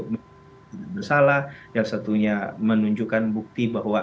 bersalah yang satunya menunjukkan bukti bahwa